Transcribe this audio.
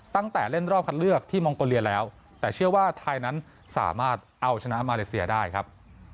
ตั้งแต่เล่นรอบคัดเลือกที่มองโกเลียแล้วแต่เชื่อว่าไทยนั้นสามารถเอาชนะมาเลเซียได้ครับ